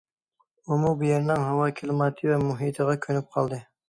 ئۇمۇ بۇ يەرنىڭ ھاۋا كىلىماتى ۋە مۇھىتىغا كۆنۈپ قالدى.